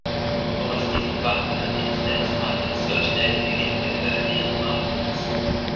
Um aus diesem Graphen eine Inzidenzmatrix zu erstellen, beginnen wir mit einer leeren Matrix.